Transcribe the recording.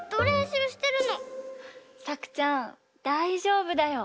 さくちゃんだいじょうぶだよ。